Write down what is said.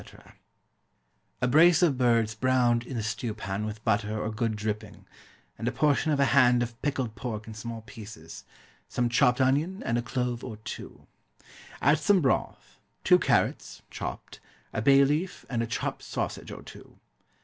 _ A brace of birds browned in the stewpan with butter or good dripping, and a portion of a hand of pickled pork in small pieces, some chopped onion and a clove or two. Add some broth, two carrots (chopped), a bay leaf, and a chopped sausage or two.